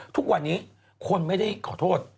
ทุกวันนี้คนไม่ได้ขอโทษ